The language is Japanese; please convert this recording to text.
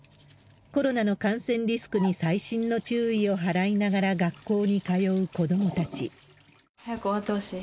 コロナの感染リスクに細心の注意を払いながら学校に通う子どもたち。